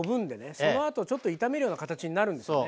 そのあとちょっと炒めるような形になるんですよね。